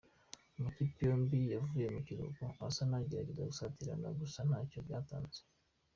Amakipe yombi yavuye mu kiruhuko asa n’agerageza gusatirana gusa nta cyo byatanze.